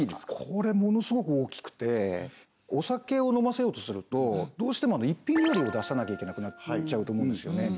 これものすごく大きくてお酒を飲ませようとするとどうしても一品料理を出さなきゃいけなくなっちゃうと思うんですよね